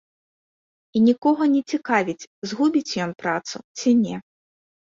І нікога не цікавіць, згубіць ён працу ці не.